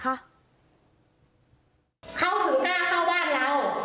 เขาถึงกล้าเข้าบ้านเรา